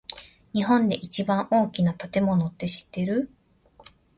日本で一番大きな建物って知ってる？